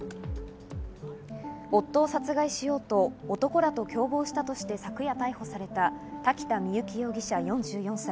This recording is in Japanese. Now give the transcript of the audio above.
夫を殺害しようと男らと共謀したとして昨夜逮捕された、滝田深雪容疑者、４４歳。